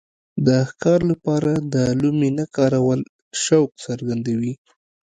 د ښکار لپاره د لومې نه کارول شوق څرګندوي.